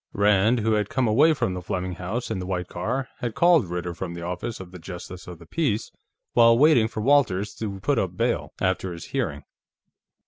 Rand, who had come away from the Fleming home in the white car, had called Ritter from the office of the Justice of the Peace while waiting for Walters to put up bail, after his hearing.